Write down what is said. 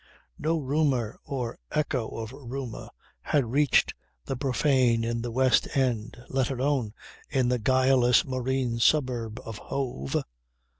No rumour or echo of rumour had reached the profane in the West End let alone in the guileless marine suburb of Hove.